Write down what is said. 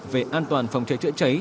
về an toàn phòng cháy chữa cháy